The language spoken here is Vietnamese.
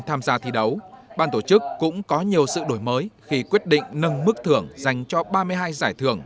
tham gia thi đấu ban tổ chức cũng có nhiều sự đổi mới khi quyết định nâng mức thưởng dành cho ba mươi hai giải thưởng